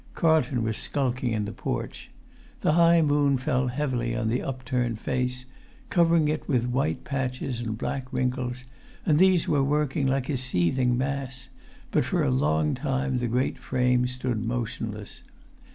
Carlton was skulking in the porch. The high moon fell heavily on the upturned face, covering it with white patches and black wrinkles; and these were working like a seething mass; but for a long time the great[Pg 241] frame stood motionless.